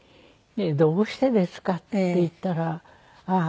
「どうしてですか？」って言ったらああ